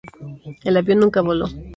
El avión nunca voló.